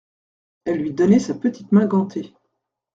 Elle lui donnait sa petite main gantée.